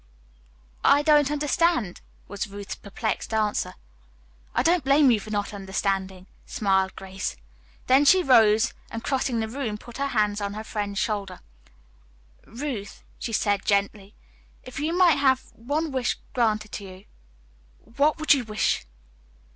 "I don't understand," was Ruth's perplexed answer. "I don't blame you for not understanding," smiled Grace. Then she rose, and, crossing the room, put her hands on her friend's shoulder. "Ruth," she said gently, "if you might have one wish granted to you, what would you wish?"